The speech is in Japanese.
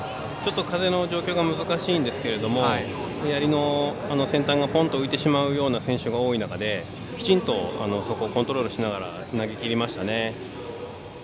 風の状況が難しいんですけどやりの先端がポンと浮いてしまうような選手が多い中で、きちんとそこをコントロールしながら投げきりましたね。